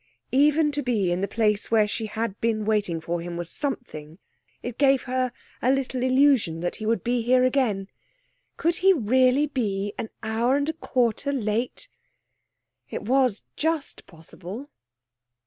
Even to be in the place where she had been waiting for him was something, it gave her a little illusion that he would be here again.... Could he really be an hour and a quarter late? It was just possible.